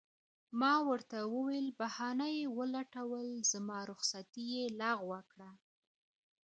ما ورته وویل: بهانه یې ولټول، زما رخصتي یې لغوه کړه.